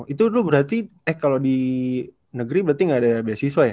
itu lu berarti eh kalo di negeri berarti gak ada beasiswa ya